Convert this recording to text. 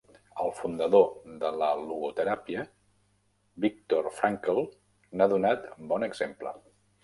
El fundador de la logoteràpia, Viktor Frankl, n'ha donat bon exemple.